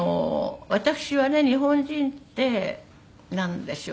私はね日本人ってなんでしょう？